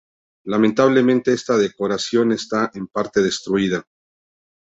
Lamentablemente, esta decoración está en parte destruida.